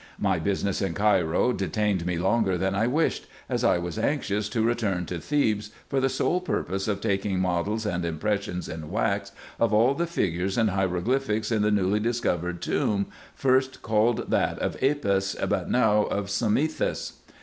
My business in Cairo detained me longer than I wished, as I was anxious to return to Thebes, for the sole purpose of taking models and impressions in wax of all the figures IN EGYPT, NUBIA, &c. 251 and hieroglyphics in the newly discovered tomb, first called that of Apis, but now of Psammethis.